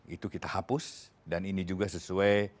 itu kita hapus dan ini juga sesuai